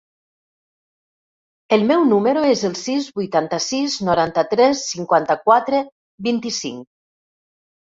El meu número es el sis, vuitanta-sis, noranta-tres, cinquanta-quatre, vint-i-cinc.